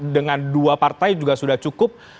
dengan dua partai juga sudah cukup